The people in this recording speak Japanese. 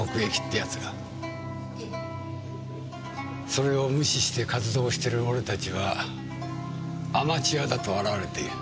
それを無視して活動してる俺たちはアマチュアだと笑われている。